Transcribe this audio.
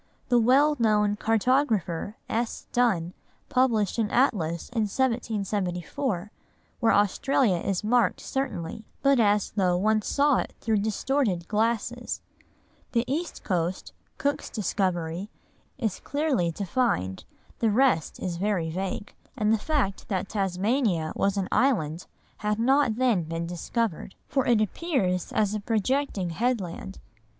The well known cartographer, S. Dunn, published an atlas in 1774, where Australia is marked certainly, but as though one saw it through distorted glasses; the east coast, Cook's discovery, is clearly defined, the rest is very vague; and the fact that Tasmania was an island had not then been discovered, for it appears as a projecting headland.